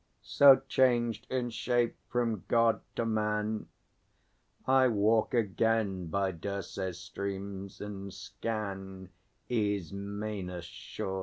So, changed in shape from God to man, I walk again by Dirce's streams and scan Ismenus' shore.